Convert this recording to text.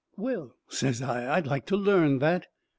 "Well," says I, "I'd like to learn that."